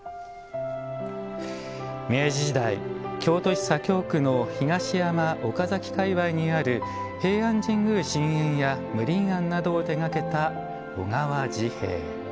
明治時代京都市左京区の東山・岡崎かいわいにある平安神宮神苑や無鄰菴などを手がけた小川治兵衛。